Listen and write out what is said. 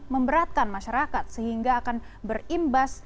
memberatkan masyarakat sehingga akan berimbas